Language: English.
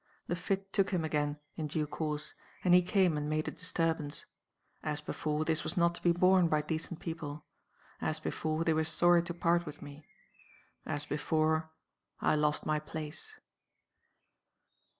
The fit took him again, in due course; and he came and made a disturbance. As before, this was not to be borne by decent people. As before, they were sorry to part with me. As before, I lost my place.